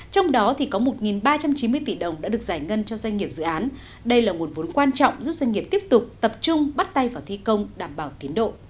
trong đó có một ba trăm chín mươi tỷ đồng đã được giải ngân cho doanh nghiệp dự án đây là nguồn vốn quan trọng giúp doanh nghiệp tiếp tục tập trung bắt tay vào thi công đảm bảo tiến độ